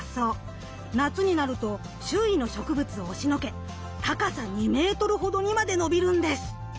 夏になると周囲の植物を押しのけ高さ２メートルほどにまで伸びるんです。